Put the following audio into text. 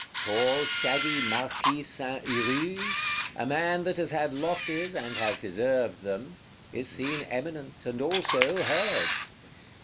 Tall shaggy Marquis Saint Huruge, a man that has had losses, and has deserved them, is seen eminent, and also heard.